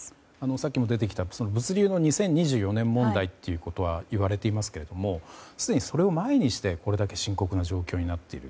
さっきも出てきた物流の２０２４年問題というのはいわれていますけどすでにそれを前にしてこれだけ深刻な状況になっている。